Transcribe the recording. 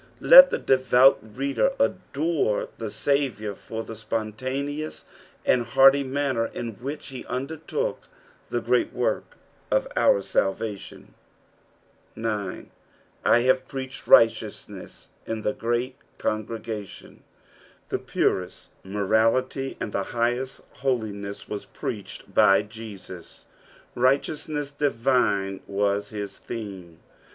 Let tho devout reader adore the Saviour for tbe spontaneous and hearty manner in which he undertook the great work of our salvation. fl. "/ liase preach^ righteotimet* in the great eongregatUm." The pureat morality and the highest holiness were preached by Jesus. Highteousneas divine was his theme.